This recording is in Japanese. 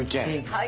はい。